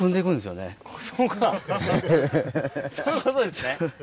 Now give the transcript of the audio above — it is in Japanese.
そうかそういうことですね。